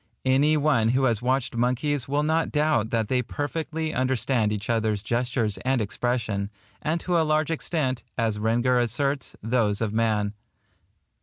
Any one who has watched monkeys will not doubt that they perfectly understand each other's gestures and expression, and to a large extent, as Rengger asserts, those of man.